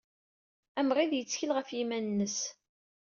Amɣid yettkel ɣef yiman-nnes.